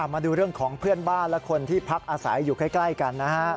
มาดูเรื่องของเพื่อนบ้านและคนที่พักอาศัยอยู่ใกล้กันนะฮะ